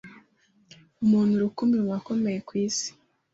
Umuntu rukumbi mu bakomeye ku Isi